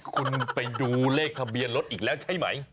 คุณไปดูเลขทะเบียนรถอีกแล้วใช่ไหม